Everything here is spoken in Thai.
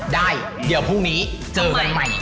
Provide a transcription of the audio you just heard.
ได้เดี๋ยวพรุ่งนี้เจอกันใหม่